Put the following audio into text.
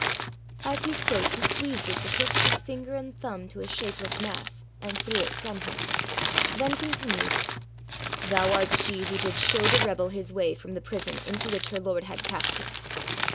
As he spoke he squeezed it betwixt his finger and thumb to a shapeless mass, and threw it from him then continued: 'Thou art she who did show the rebel his way from the prison into which her lord had cast him.'